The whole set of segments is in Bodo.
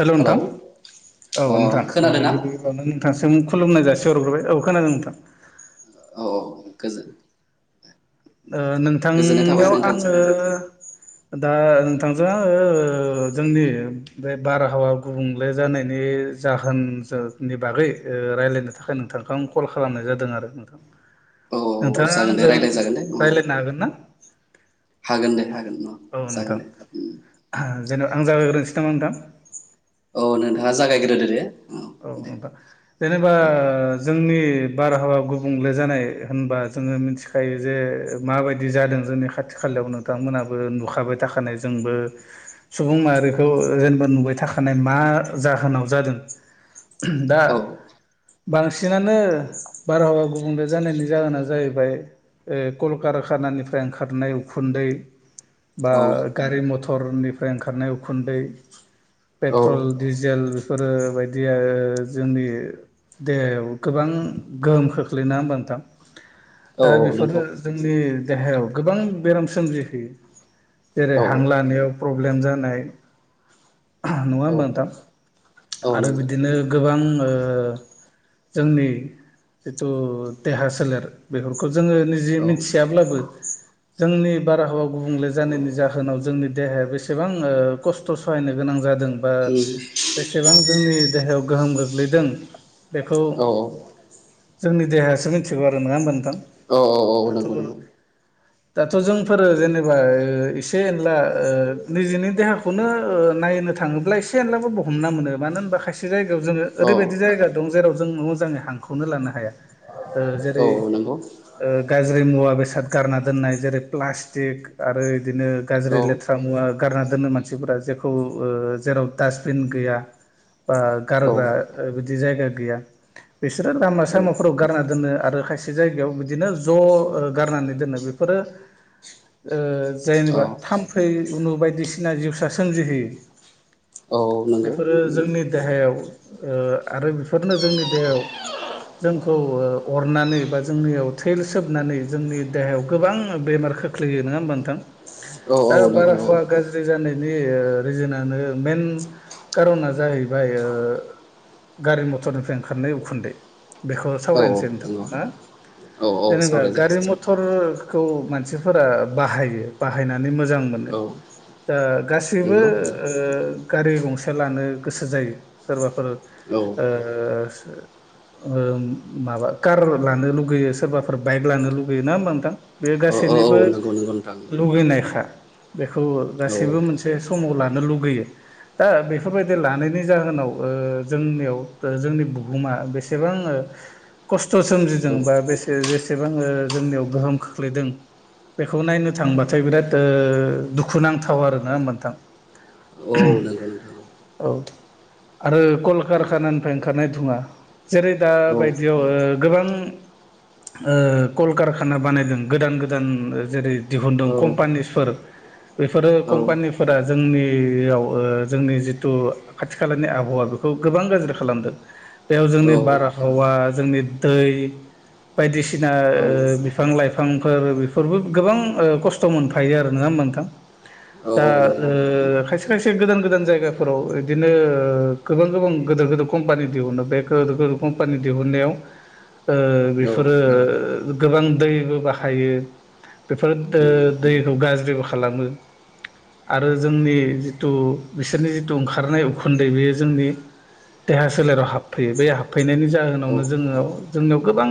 हेल' हेलौ नोंथां। अ औ नोंथां ओ खोनादोंना गिबि गिबियावनो नोंथांसिम खुलुमनाय जासि हरग्रोबाय औ खोनादों नोंथां। औ औ गोजोन ओ गोजोननाय थाबाय नोंथांनियाव नोंथांजों आङो दा नोंथांजों ओ जोंनि बे बारहावा गुबुंले जानायनि बे जाहोन जो नि बागै रायजलायनो थाखाय नोंथांखौ आं कल खालामनाय जादों आरो नोंथां। औ। औ नोंथाङा जागोन दे आंजों रायज्लाय जागोन दे औ राय्लायनो हागोन ना हागोन दे हागोन औ जागोन दे उम। नोंथां जेन आं जागायग्रोनसै नामा नोंथां। औ नोंथाङा जागायग्रोदो दे औ नोंथां जेनेबा औ दे जोंनि बारहावा गुबुंले जानाय होनबा जोङो मिथिखायो जे माबायदि जादों जोंनि खाथि खा खालायाव नोंथांमोनाबो नुखाबाय थाखानाय जोंबो सुबुं माहारिखौ जेनेबा नुबाय थाखा माने मा जाहोनाव जादों दा। औ बांसिनानो बारहावा गुबुंले जानायनि जाहोना जाहैबाय। ओ कलकारखानानिफ्राय ओंखारनाय उखुन्दै। बा औ गारि मथरनिफ्राय ओंखारनाय उखुन्दै औ पेट्रल डिजेल बेफोरो बायदि दिया जोंनि देहायाव गोबां गोहोम खोख्लैना होनबानोथां दा औ बेफोरो नंगौ जोंनि देहायाव गोबां बेराम सोमजिहयो। जेरै औ हां लानायाव प्रब्लेम जानाय नङा औ होमबाथा औ आरो नंगौ बिदिनो गोबां ओ जोंनि। जिथु देहा सोलेर बेफोरखौ जोङो निजे औ उम औ मिथियाब्लाबो जोंनि बारहावा गुबुंले जानायनि जाहोनाव जोंनि देहाया बेसेबां खस्थ' सहायनो गोनां जादों बा बेसेबां जोंनि देहायाव गोहोम गोग्लैदों बेखौ औ जोंनि देहायासो मिथिगौ आरो मङा होमबथां औ नंगौ दाथ' नंगौ दाथ' जोंफोरो जेनेबा एसे एनला निजेनि देहाखौनो नायनो थाङोब्ला एसेब्लाबो ब हमना मोनो। मानो होनबा खायसे जायगायाव जोङो औ ओरैबायदि जायगा दं जेराव जों मोजाङै हांखौनो लानो हाया। ओ जेरै औ नंगौ ओ गाज्रि मुवा बेसाद गारना दोननाय जेरै प्लास्टिक आरो बिदिनो गाज्रि औ लेथ्रा मुवा गारना दोनो मानसिफोरा जेखौ ओ जेराव डास्टबिन गैया बा औ गारग्रा बिदि जायगा गैया बिसोरो लामा सामाफोराव गारना दोनो आरो खायसे जायगायाव बिदिनो ज' गारनानै दोनो बे फोर ओ जेनेबा औ थाम्फै उनु बायदिसिना जिउसा सोमजिहोयो औ नंगौ बेफोरो उम जोंनि देहायाव ओ आरो बेफोरनो जोंनि देहायाव जोंखौ अरनानै बा जोंनियाव थैे सोबनानै जोंनि देहायाव गोबां बेमार खोख्लैयो नङा होमबा नोंथां औ दा नंगौ बारहावा गाज्रि जानायनि रिजोनानो मेन खारना जाहैबाय ओ गारि मथरनिफ्राय ओंखारनाय उखुन्दै बेखौ औ औ सावरायनोसै नोंथां नंगौ ना औ औ जेनेबा गारि सावरायजागोन सार मथर खौ मानसिफोरा बाहायो बाहायनानै मोजां मोनो औ द गासैबो नंगौ गारि गंसे लानो गोसो जायो सोरबाफोर औ ओ ओ माबा कार लानो लुगैयो सोरबाफोर बाइक लानो लुगैयो ना होमबा नोंथां बे गासिबो औ औ नगौ नंगौ नोंथां लुगैनायखा बेखौ औ गासैबो मोनसे समाव लानो लुगैयो दा बेफोर बाय दि लानायनि जाहोनाव जोंनियाव जोंनि बुहुमा बेसेबां खस्थ' औ सोमजिदों बा बेसे जेसेबां जोंनियाव गोहोम खोख्लैदों बेखौ नायनो थांबाथाय बिराद ओ दुखुनांथाव आरोना मोनथां औ नोंगौ नोंथां औ आरो कलकारखानानिफ्राय ओंखारनाय थुङा जेरै दा औ बायदियाव गोबां ओ कलकारखाना बानायदों गोदान गोदान जेरै औ दिहुनदों कम्पानिसफोर बेफोरो कम्पानिफोरा जोंनियाव ओ जोंनि जि थु खाथि खालानि आबहावा बेखौ गोबां गाज्रि खालामदों बेयाव जोंनि बारहावा जोंनि दै बायदिसिना ओ बिफां लाइफांफोर बेफोरबो गोबां ओ खस्थ' मोनफायो आरो नङा होनबा नोंथां औ दा नंगौ ओ खायसे खायसे गोदान गोदान जायगा फोराव बिदिनो गोबां गोबां गिदिर गोदिर कम्पानि दिहुनो बे गोदो गोदिर कम्पानि दिहुनायाव ओ औ बेफोरो गोबां दैबो बाहायो बेफोर दैखौ गाज्रिबो खालामो आरो जोंनि जिथु बिसोरनि जिथु ओंखारनाय उखुन्दै बेयो जोंनि देहा सोलेराव हाबफैयो बे हाबफैनायनि औ जाहोनावनो जोङो जोंनियाव गोबां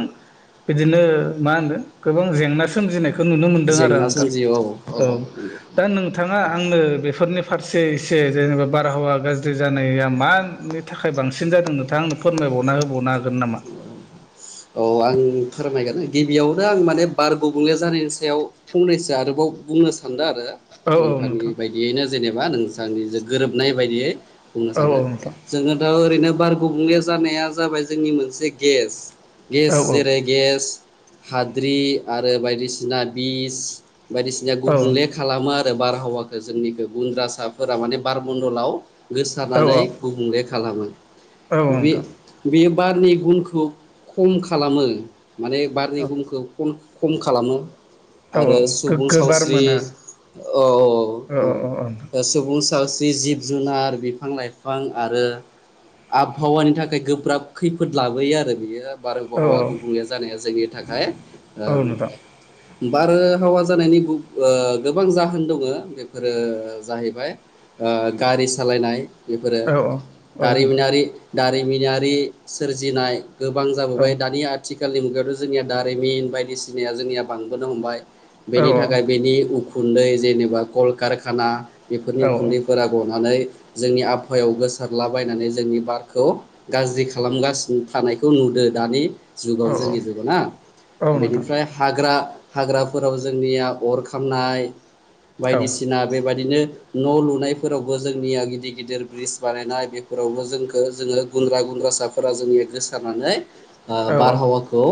बिदिनो मा होनदों गोबां जेंना सोमजिनाय बखौ नुनो मोनदों आरो नोंथां औ दा नोंथाङा आङो बेफोरनि फारसे एसे जेनेबा बार बारहावा गाज्रि जानाया मानि थाखाय बांसिन जादों नोंथाङां आंनो फोरमायबावना होबावनो हागोन नामा औ आं फोरमायगोन गिबियावनो आं माने बार गुबुंले जानायनि सायाव फंनैसो आरोबाव बुंनो सानदों आरो औ नोंथांनि नोंथां बायदियैनो जेनेबा नोंथांनि जो गोरोबनाय बायदियै बुंनो औ सानो नोंथां जोङो दा ओरैनो बार गुबुंले जानाया जाबाय जोंनि मोनसे गेस गेस औ जेरै गेस हाद्रि आरो बायदिसिना बिस बायदिसिना औ औ गुबुंले खालामो रो बारहावाखौ जोंनिखौ गुन्द्रासाफोरा माने बारमन्दलाव गोसारनानै गुबुंले खालामो औ औ बे नोंथां बे बारनि गुनखौ खम खालामो। माने बारनि औ गुमखौ खम खालामो। औ आरो सुबुं गोग्गो बार सावस्रि मोना औ औ सुबुं सावस्रि जिब जुनार बिफां लाइफां आरो आबहावानि थाखाय गोब्राब खैफोद लाबोयो आरो बियो औ बारबहावा गुबुंले जानाया जोंनि थाखाय औ नोंथां ओ बारहावा जानायनि गोबां जाहोन दङ बेफोरो जाहैबाय। ओ गारि सालायनाय बेफोरो औ नोंथां औ औ नोंथां औ नोंथां औ दारिमिनारि दारिमिनारि सोरजिनाय गोबां जाबोबाय दानि आथिखालनि मुगायावथ' जोंनिया दारिमिन बायदिसिनाया जोंनिया बांबोनो हमबाय। बेनि थाखाय बेनि उखुन्दै जेनेबा कलकारखाना बेफोरनि उखुन्दैफोरा गनानै जोंनि आबहावायाव गोसारलाबायनानै जोंनि बारखौ गाज्रि खालामगासिनो थानायखौ खौ नुदो दानि जुगाव जोंनि जुगाव ना बेनिफ्राय हाग्रा। हाग्राफोराव जोंनिया अर खामनाय बायदिसिना बेबादिनो न' लुनायफोरावबो जोंनिया गिदिर गिदिर ब्रिज बानायनाय बेफोरावबो जोंखौ जोङो गुन्द्रा गु गुद्रासाफोरा जोंनि गोसारनानै बारहावाखौ।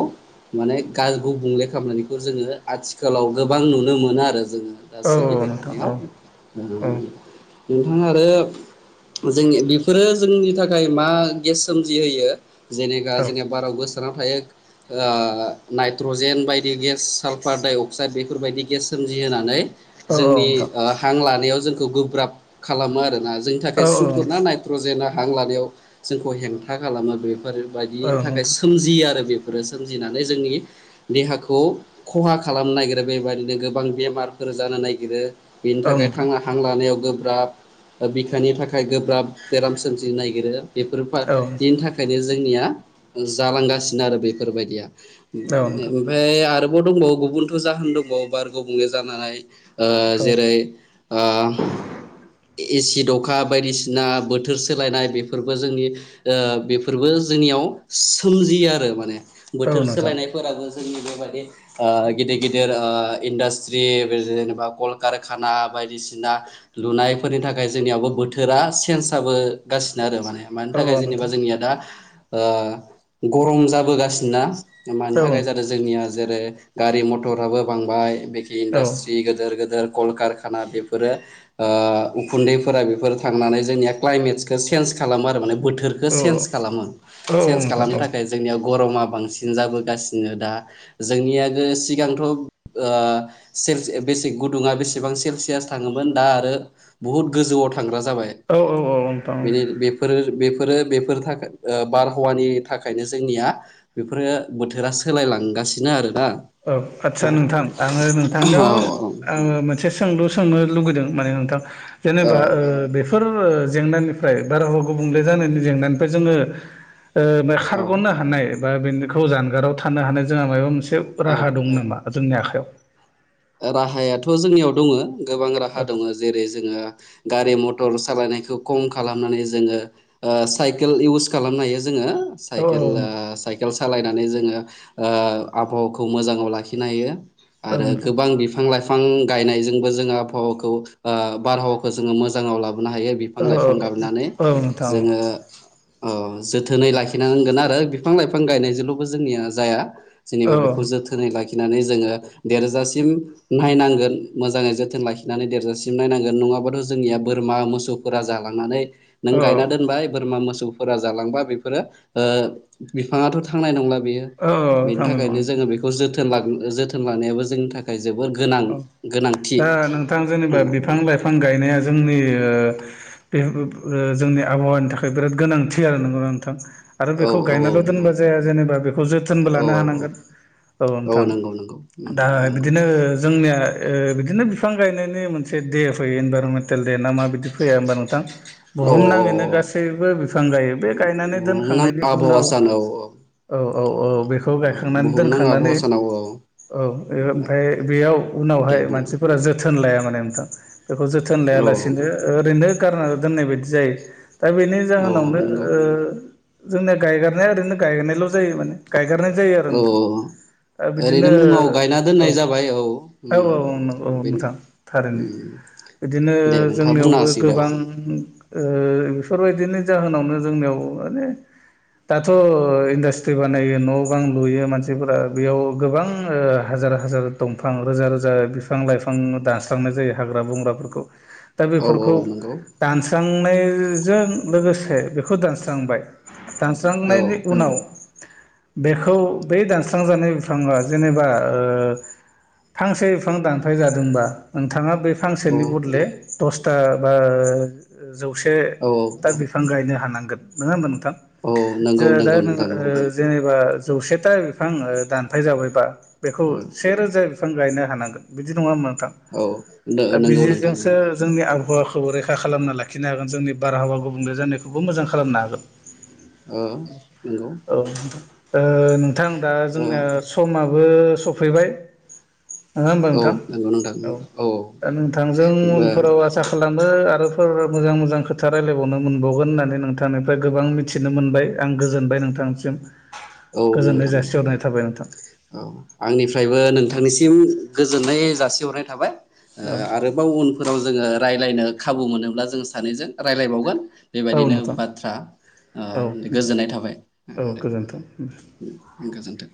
माने गार गुबुंले खालामनायनिखौ जोङो आथिखालाव गोबां नुनो मोनो आरो जोङो दा सोलिबाय थानायाव नोंथाङा आरो जों बेफोरो जोंनि थाखाय मा गेस सोमजिहोयो। जेनेखा जोंनिया बाराव गोसारनानै थायो। नाइट्रजेन बायदि गेस साल्फार डाइ अक्साइद बेफोरबायायदि गेस सोमजिहोनानै जोंनि नोंथां हां लानायाव जोंखौ गोब्राब खालामो आरोना। जोंनि औ थाखाय औ सुथुर ना नाइट्रजेना हां लानायाव जोंखौ हेंथा खालामो बेफोरो औ बायदिनि थाखाय नोंथां सोमजियो आरो बेफोरो सोमजिनानै जोंनि देहाखौ खहा खालामनो नागिरो बेबायदिनो गोबां बेमारफोर जानो नायगिरो बेनि औ थाखाय नोंथां हां लानायाव गोबां गोब्राब बिखानि थाखाय गोब्राब बेराम सोमजिनो नागिरो। बेफोर औ बेनि थाखायनो जोंनिया जालांगासिनो आरो बेफोरबायदिया नोंथां औ नोंथां ओमफ्राय आरोबाव दंबावो गुबुनथ' जाहोन दंबावो बार गुबुंले जानाय। ओ जेरै एसिड अखा बायदिसिना बोथोर सोलायनाय बेफोरबो जोंनि ओ बेफोरबो जोंनियाव। सोमजियो आरो माने औ औ बोथोर नोंथां सोलायनायफोराबो [unintelligible] ओ गिदिर गिदिर ओ इनदासट्रि जेनबा कलकारखाना बायदिसिना लुनायफोरनि थाखाय जोंनियावबो बोथोरा चेनच जाबोगासिनो आरो माने मानि औ थाखाय जेनेबा जोंनिया दा ओ गरम जाबोगासिनोना? मानि थाखाय नोंथां जादों जोंनिया जेरै गारि मथराबो बांबाय बेखि औ औ नोंथां इन्डासिट्रि गदोर गदोर कल कारखाना बेफोरो आ उखुन्दैफोरा बेफोर थांनानै जोंनिया क्लाइमेट खौ चेनच खालामो आरो बोथोरखो औ चेनच खालामो चेनच खालामनो थाखाय जोंनियाव गरमा बांसिन जाबोगासिनो दा जोंनिया सिगांथ' आ बेसे गुदुङा बेसेबां सेलसियास थाङोमोन दा आरो बुहुत गोजौआव थां थांग्रा जाबाय औ नोंथां औ बेफोरो बेफोरो बेफोर थाखाय बारहावानि थाखायनो जोंनिया बेफोरो बोथोरा सोलायलांगासिनो आरो औ आदसा नोंथां आङो औ नोंथांनियाव आङो मोनसे सोंलु सोंनो लुुबैदों माने नोंथां जेनेबा बेफोर जेंनानिफ्राय बारहावा गुबुंले जानायनि जेंनानिफ्राय जोङो ओ औ खारग'नो हानाय बा बेनिखौ जानगाराव थानो हानाय जोंहा माबा मोनसे राहा औ दं नामा जोंनि आखायाव राहायाथ' जोंनियाव दङ गोबां औ राहा दङ जेरै जोङो। गारि मथर सालायनायखौ खम खालामनानै जोङो ओ साइकेल इउस खालामनो हायो औ जोङो सालायनानै जोङो आबहावाखौ मोजाङाव लाखिनो हायो। आरो गोबां [unintelligible] बिफां लाइफां गायनायजोंबो जों आबहावाखौ बारहावाखौ जोङो मोजाङाव लाबो बोनो हायो बिफां औ लाइफां गायनानै औ नोंथां औ जोङो जोथोनै लाखिननांगोन आरो बिफां लाइफां गायनायजोंल'बो जोंनिया जाया औ जेनेबा बेखौ जोथोनै लाखिनानै जोङो देरजासि म नायनांगोन मोजाङै जोथोन लाखिनानै देरजासिम नायनांगोन नङाबाथ' जोंनिया बोरमा मोसौ फोरा जालांनानै नों औ गायना दोनबाय बोरमा मोसौ जालांबा बेफोरो बिफां आथ' थांनाय नंला औ बेनि थांनाय नङा थाखायनो नोंथां जोङो बेखौ जोथोन लानायाबो जोंनि थाखाय जोबोर गोनां औ गोनांथि दा नोंथां औ जेनेबा बिफां लाइफां गायनाया जोंनि बे जोंनि आबहावानि थाखाय बिराद गोनांथि आरो नंगौ नोंथां आरो औ बेखौ औ गायनाल' नंगौ दोनबा जाया जेनेबा बेखौ जोथोनबो औ लानो औ हानांगोन। औ नोंथां दा नंगौ बिदिनो जोंनिया ओ बिदिनो बिफां गायनायनि मोनसे दे फैयो इनभाररमेन्ट हटेल दे ना मा बिदि फैया हबा नोंथां औ बुहुमनाङैनो औ गासैबो बिफां गायो बे गायनानै दोन न आबावा सानो औ औ औ औ बेखौ गायखांनानै बुहुमनां आबहावा दोनखांनानै सानाव औ औ ओमफ्राय बेयाव दे उनावहाय बुं मानसिफोरा जोथोन लाया माने नोंथां बेखौ जोथोन औ लायालासेनो ओरैनो गारना दोननाय बायदि जायो दा बेनि औ जाहोनावनो नंगौ जोंनिया गायगारनाया ओरैनो गायगारनायल' जायो माने गायगारनाय जायो आरो औ नोथां ओरैनो बिदिनो मुङाव गायना औ दोननाय जाबाय उम औ औ औ औ बेनो नोंथां थारैनो उम बिदिनो दे नोंथाङा बुंना जोंनियावबो होसिगोन दे गोबां ओ बेफोरबायदिनि जाहोनावनो जोंनियाव माने दाथ' इन्डास्ट्रि बानायो न' बां लुयो मानसिफोरा बेयाव गोबां हा हाजार हाजार दंफां रोजा रोजा बिफां लाइफां दानस्रांनाय जायो हाग्रा बंग्राफोरखौ दा औ औ बेफोरखौ नंगौ दानस्रांनायजों लोगोसे बेखौ दानस्रांबाय औ दानस्रांनायनि उनाव बेखौ बे दानस्रां जानाय बिफाङा जेनेबा फांसे बिफां दानफाय जादोंबा नोंथाङा बै औ फांसेनि बदले दसथा था बा जौसेथा बिफां गायनो हानांगोन नङा होम थां। औ नंगौ जो दा नंगौ नोंथां औ जेनेबा जौसेथा बिफां दानफाय जाबायबा बेखौ सेेरोजा बिफां गायनो हांगोन बिदि नङा मोनबा नांथां औ दा नंगौ बिथिंजों नोंथां औ सो आबहावाखौबो रैखा खालामना लाखिनो हागोन जोंनि बारहावा गुबुंले जानायखौबो मोजां खालामनो हागोन। ओ नंगौ औ ओ नोंथां दा ओ जोंनिया समाबो सफैबाय नङा होमबा औ नोंथां नंगौ नोंथां औ दा नोंथांजों उनफोराव आसा खालामो आरो फोर मोजां मोजां खोथा रायलायबावनो मोनबावगोन होननानै नोंथांनिफ्राय गोबां मिथिनो मोनबाय आं गोजोनबाय नोंथां। नोंथांनिसिम औ गोजोननाय नोंथां जासिहरनाय थाबाय औ आंनिफ्रायबो नोंथांनिसिम गोजोननाय जासिहरनाय थाबाय औ आरोबाव उनफोराव जोंङो रायज्लायनो खाबु मोनोब्ला जों सानैजों राय्लायबावगोन औ बेबायदिनो नोंथां बाथ्रा औ नोंथां गोजोननाय थाबाय औ दे। गोजोन्थों। गोजोनथों।